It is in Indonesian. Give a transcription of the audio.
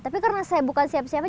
tapi karena saya bukan siapa siapa